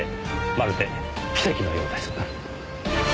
まるで奇跡のようです。